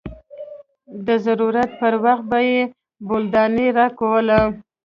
د ضرورت پر وخت به يې بولدانۍ راکوله.